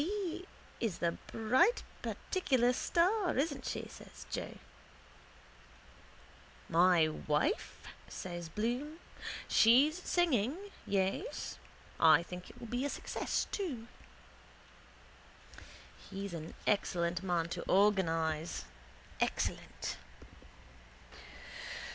—Mrs B. is the bright particular star, isn't she? says Joe. —My wife? says Bloom. She's singing, yes. I think it will be a success too. He's an excellent man to organise. Excellent.